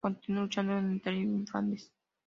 Continuó luchando en Italia y en Flandes.